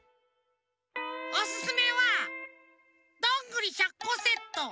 おすすめはどんぐり１００こセット